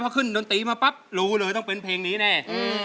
พอขึ้นดนตรีมาปั๊บรู้เลยต้องเป็นเพลงนี้แน่